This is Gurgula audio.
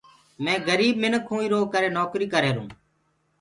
مينٚ گريٚب منکوٚنٚ ايٚرو ڪري نوڪريٚ ڪريهرونٚ۔